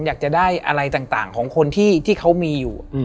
อยากจะได้อะไรต่างของคนที่เขามีอยู่